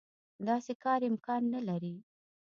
داسې کار امکان نه لري.